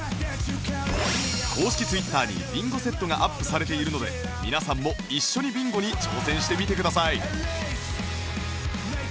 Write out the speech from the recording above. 公式 Ｔｗｉｔｔｅｒ にビンゴセットがアップされているので皆さんも一緒にビンゴに挑戦してみてください